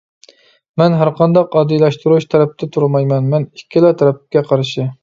مەن ھەرقانداق ئاددىيلاشتۇرۇش تەرەپتە تۇرمايمەن، مەن ئىككىلا تەرەپكە قارشى!